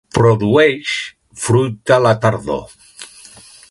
Produeix fruita a la tardor.